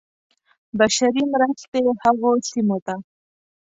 بشري مرستې هغو سیمو ته.